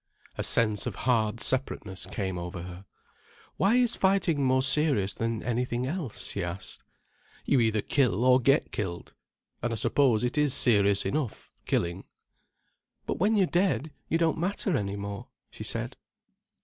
A sense of hard separateness came over her. "Why is fighting more serious than anything else?" she asked. "You either kill or get killed—and I suppose it is serious enough, killing." "But when you're dead you don't matter any more," she said.